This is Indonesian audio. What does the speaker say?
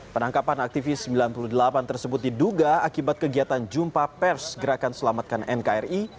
penangkapan aktivis sembilan puluh delapan tersebut diduga akibat kegiatan jumpa pers gerakan selamatkan nkri